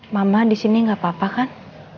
mama disini gak apa apa kan